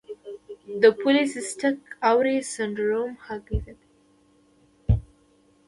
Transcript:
د پولی سیسټک اووری سنډروم هګۍ زیاتوي.